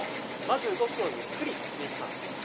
まず動きをゆっくり説明します。